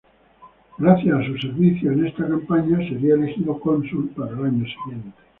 Gracias a sus servicios en esta campaña sería elegido cónsul para el año siguiente.